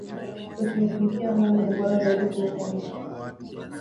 Kutumikia Mungu ni bora zaidi kuliko mutu